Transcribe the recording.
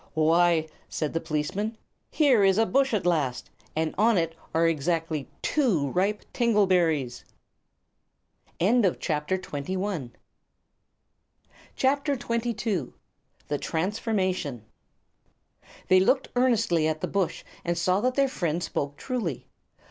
"Why," said the policeman, "here is a bush at last, and on it are exactly two ripe tingle berries!" [CHAPTER XXII] The Transformation They looked earnestly at the bush, and saw that their friend spoke truly.